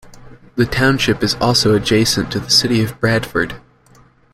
The township is also adjacent to the city of Bradford.